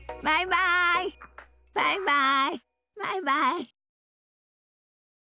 バイバイ。